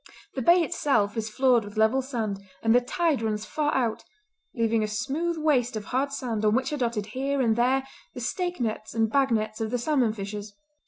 The bay itself is floored with level sand and the tide runs far out, leaving a smooth waste of hard sand on which are dotted here and there the stake nets and bag nets of the salmon fishers.